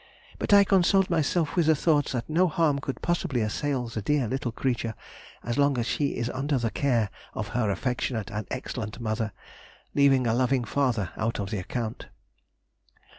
But I consoled myself with the thoughts that no harm could possibly assail the dear little creature as long as she is under the care of her affectionate and excellent mother, leaving a loving father out of the account.